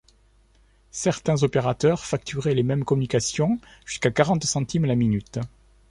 Certains opérateurs facturaient les mêmes communications jusqu'à quarante centimes la minute.